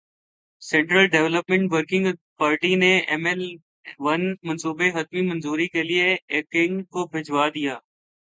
central development working party نے M L one منصوبہ حتمی منظوری کیلئے ایکنک کو بھجوادیا